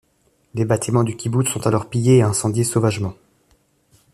Les bâtiments du kibboutz sont alors pillés et incendiés sauvagement.